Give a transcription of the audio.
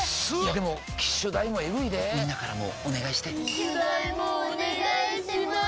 でも機種代もエグいでぇみんなからもお願いして機種代もお願いします